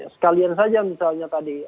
sekalian saja misalnya tadi